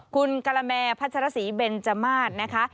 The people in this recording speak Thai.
คุณกะละแมพัชรสีเบนจมาสนะคะ